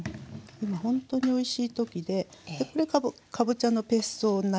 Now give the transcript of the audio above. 今本当においしい時でこれかぼちゃのペーストになるんですね。